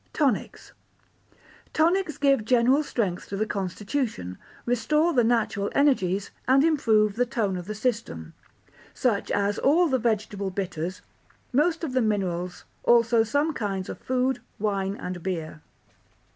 Tonics Tonics give general strength to the constitution, restore the natural energies, and improve the tone of the system, such as all the vegetable bitters, most of the minerals, also some kinds of food, wine, and beer.